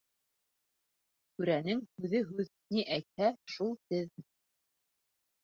Түрәнең һүҙе һүҙ, ни әйтһә, шул теҙ.